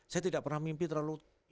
saya tidak pernah mimpi terlalu